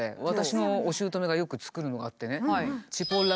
私のお姑がよく作るのがあってね。